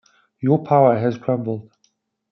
Your power has crumbled.